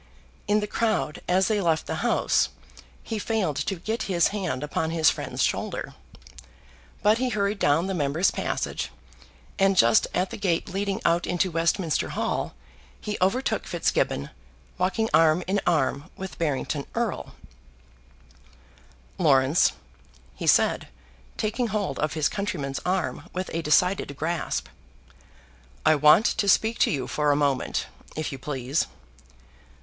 In the crowd as they left the House he failed to get his hand upon his friend's shoulder. But he hurried down the members' passage, and just at the gate leading out into Westminster Hall he overtook Fitzgibbon walking arm in arm with Barrington Erle. "Laurence," he said, taking hold of his countryman's arm with a decided grasp, "I want to speak to you for a moment, if you please."